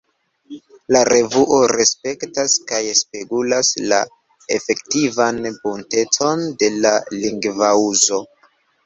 La revuo respektas kaj spegulas la efektivan buntecon de la lingvouzo.